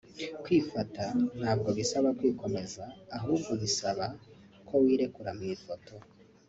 Kwifotoza nabwo bisaba kwikomeza ahubwo bisaba ko wirekura mu ifoto